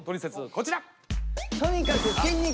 こちら。